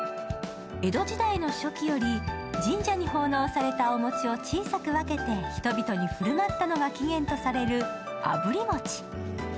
江戸時代の初期より神社に奉納されたお持ちを小さく分けて人々に振る舞ったのが起源とされる、あぶり餅。